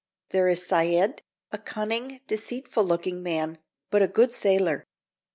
There is Said, a cunning, deceitful looking man, but a good sailor.